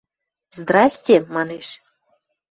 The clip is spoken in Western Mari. «Здрасте!» — манеш.